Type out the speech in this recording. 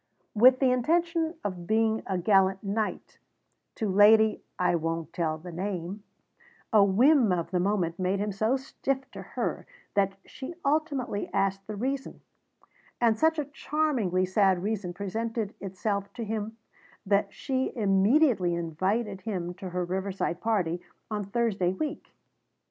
With the intention of being a gallant knight to Lady I Won't Tell the Name, a whim of the moment made him so stiff to her that she ultimately asked the reason; and such a charmingly sad reason presented itself to him that she immediately invited him to her riverside party on Thursday week.